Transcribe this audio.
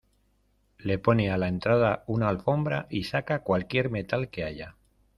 le pone a la entrada una alfombra y saca cualquier metal que haya.